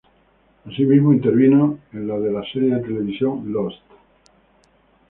Asimismo, intervino en la de la serie de televisión "Lost".